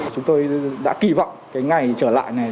chúng tôi đã kỳ vọng ngày trở lại này